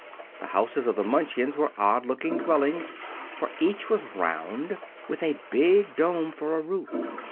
The houses of the Munchkins were odd looking dwellings, for each was round, with a big dome for a roof.